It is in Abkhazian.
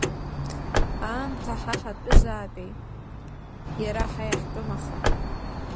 Аамҭа ҳа ҳатәызаапе, иара ҳа иаҳтәым аха.